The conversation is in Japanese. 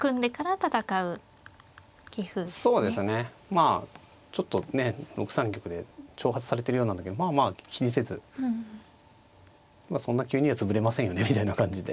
まあちょっとねえ６三玉で挑発されてるようなんだけどまあまあ気にせずそんな急には潰れませんよねみたいな感じで。